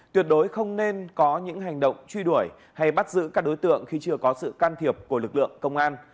tuyệt đối không nên có những hành động truy đuổi hay bắt giữ các đối tượng khi chưa có sự can thiệp của lực lượng công an